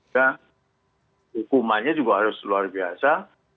ya hukumannya juga harus luar biasa